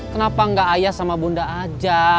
kenapa gak ayah sama bunda aja